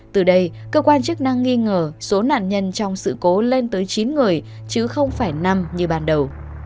từ đây cơ quan chức năng nghi ngờ số nạn nhân trong sự cố lên tới chín người chứ không phải năm như ban đầu